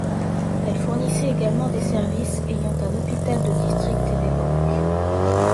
Elle fournissait également des services, ayant un hôpital de district et des banques.